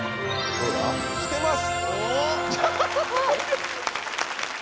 どうだ？来てます。